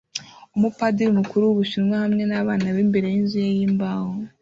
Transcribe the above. Umupadiri mukuru w'Ubushinwa hamwe nabana be imbere yinzu ye yimbaho